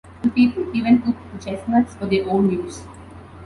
The people even cooked the chestnuts for their own use.